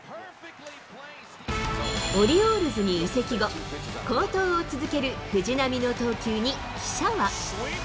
オリオールズに移籍後、好投を続ける藤浪の投球に記者は。